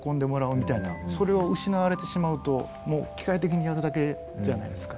それを失われてしまうともう機械的にやるだけじゃないですか。